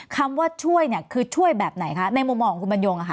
คำว่าช่วยเนี่ยคือช่วยแบบไหนคะในมุมมองของคุณบรรยงค่ะ